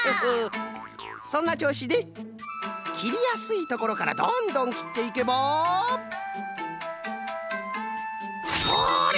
そんなちょうしできりやすいところからどんどんきっていけばほれ！